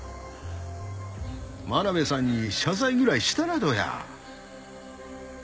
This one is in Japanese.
真鍋さんに謝罪ぐらいしたらどうや。